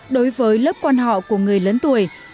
đối với lớp quan họ của người lớn tuổi các thành viên